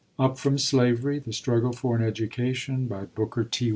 UP FROM SLAVERY THE STRUGGLE FOR AN EDUCATION Booker T.